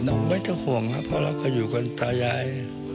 ไม่ต้องห่วงครับเพราะเราก็อยู่กันตายาย